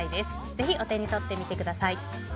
ぜひお手に取ってみてください。